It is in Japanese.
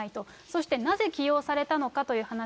そしてなぜ起用されたのかという話。